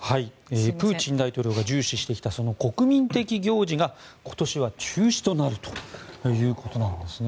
プーチン大統領が重視してきた国民的行事が今年は中止となるということなんですね。